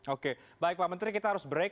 oke baik pak menteri kita harus break